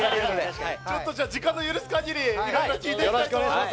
時間の許す限り色々聞いていきたいと思います。